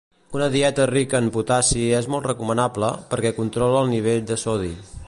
Una dieta rica en potassi és molt recomanable, perquè controla el nivell de sodi.